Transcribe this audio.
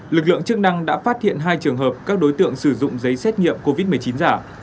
lực lượng chức năng đã phát hiện hai trường hợp các đối tượng sử dụng giấy xét nghiệm covid một mươi chín giả